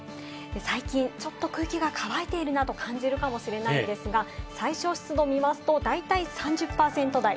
最近、ちょっと空気が乾いているなと感じるかもしれないですが、最小湿度を見ますと、大体３０％台。